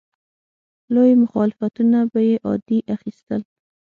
لوی مخالفتونه به یې عادي اخیستل.